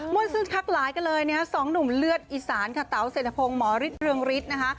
สุดทักหลายกันเลยนะฮะสองหนุ่มเลือดอีสานค่ะเต๋าเศรษฐพงศ์หมอฤทธิเรืองฤทธิ์นะคะ